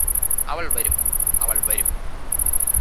അവള് വരും അവള് വരും